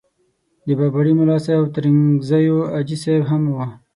د بابړي ملاصاحب او ترنګزیو حاجي صاحب هم وو.